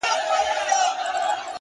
ریښتینی ملګری په سختۍ پېژندل کېږي’